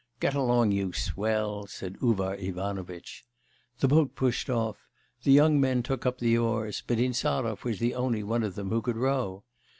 'Get along, you swell!' said Uvar Ivanovitch. The boat pushed off. The young men took up the oars, but Insarov was the oniy one of them who could row.